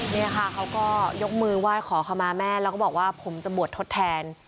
นี่ค่ะเขาก็ยกมือไหว้ขอขมาแม่แล้วก็บอกว่าผมจะบวชทดแทน